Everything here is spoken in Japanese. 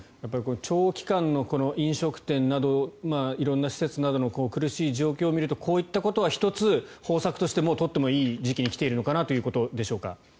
長期間の飲食店など色んな施設などの苦しい状況を見ると、こういったことは１つ方策として取ってもいい時期に来ているのかなということでしょうか。